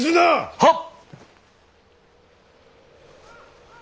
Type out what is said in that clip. はっ！